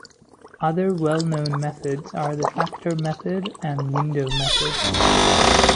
Other well-known methods are the "factor method" and "window method".